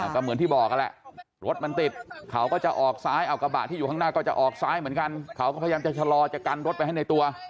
ก็เหมือนที่บอกนั่นแหละรถมันติดเขาก็จะออกซ้ายเอากระบะที่อยู่ข้างหน้าก็จะออกซ้ายเหมือนกันเขาก็พยายามจะชะลอจะกันรถไปให้ในตัว